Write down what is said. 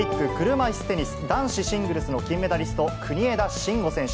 車いすテニス男子シングルスの金メダリスト、国枝慎吾選手。